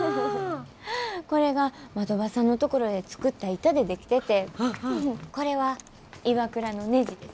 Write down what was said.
これが的場さんのところで作った板で出来ててこれはＩＷＡＫＵＲＡのねじです。